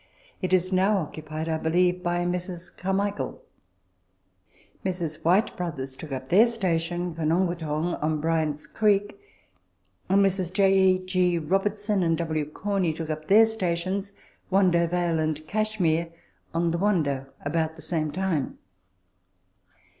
It is now occupied, I believe, by Messrs. Carmichael. Messrs. Whyte Bros, took up their station, " Konongwootong," on Bryant's Creek, and Messrs. J. G. Robertson and W. Corney took up their stations, Wando Vale and Cashmere, on the Wando, about the same time.